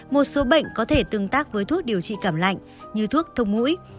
một số bệnh có thể tương tác với thuốc điều trị cảm lạnh như thuốc thông mũi